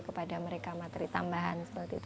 kepada mereka materi tambahan seperti itu